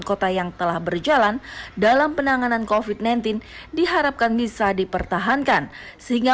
kota yang telah berjalan dalam penanganan kofit sembilan belas diharapkan bisa dipertahankan sehingga